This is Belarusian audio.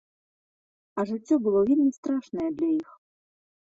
А жыццё было вельмі страшнае для іх.